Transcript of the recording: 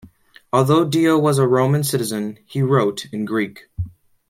Although Dio was a Roman citizen, he wrote in Greek.